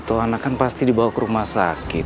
satu anak kan pasti dibawa ke rumah sakit